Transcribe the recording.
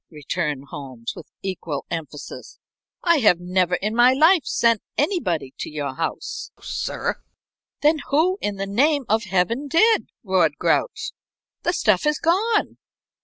_" returned Holmes, with equal emphasis. "I have never in my life sent anybody to your house, sir." "Then who in the name of Heaven did?" roared Grouch. "The stuff is gone."